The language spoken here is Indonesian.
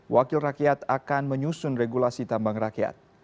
wakil rakyat akan menyusun regulasi tambang rakyat